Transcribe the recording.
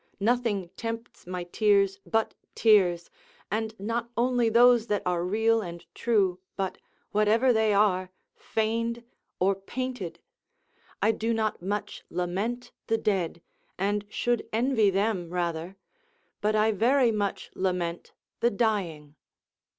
Nothing tempts my tears but tears, and not only those that are real and true, but whatever they are, feigned or painted. I do not much lament the dead, and should envy them rather; but I very much lament the dying.